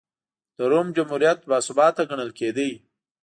د روم جمهوریت باثباته ګڼل کېده.